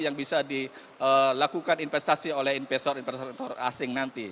yang bisa dilakukan investasi oleh investor investor investor asing nanti